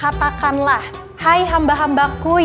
katakanlah hai hamba hambaku yang melampaui batangnya